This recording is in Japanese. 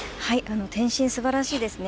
転身、すばらしいですね。